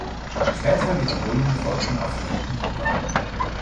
Spätere Wiederholungen folgten auf den dritten Programmen.